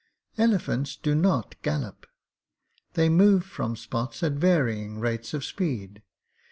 Elephants do not gallop. They move from spots at varying rates of speed.